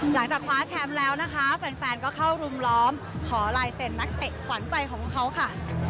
หลังจากคว้าแชมป์แล้วนะคะแฟนก็เข้ารุมล้อมขอลายเซ็นนักเตะขวัญใจของเขาค่ะ